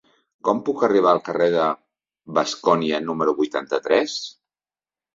Com puc arribar al carrer de Bascònia número vuitanta-tres?